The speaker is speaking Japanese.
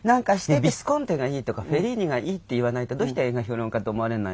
ヴィスコンティがいいとかフェリーニがいいって言わないとどうして映画評論家と思われないの？